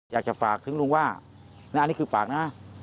อยากจะฝากถึงลุงว่าอันนี้คือฝากนะ